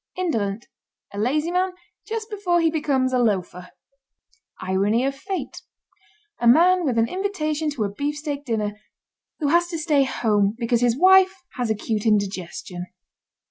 INDOLENT. A lazy man just before he becomes a loafer. IRONY OF FATE. A man with an invitation to a beefsteak dinner who has to stay home because his wife has acute indigestion.